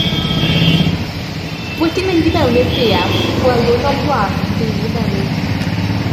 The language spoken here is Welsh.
Wedi mynd i mewn i'r buarth, gwelwn o'm blaen dŷ newydd.